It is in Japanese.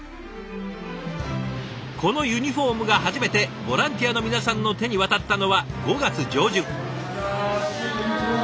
このユニフォームが初めてボランティアの皆さんの手に渡ったのは５月上旬。